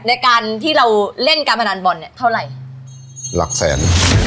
ในการที่เราเล่นการพนันบอลเนี่ยเท่าไหร่หลักแสน